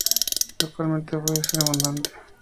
Localmente puede ser abundante.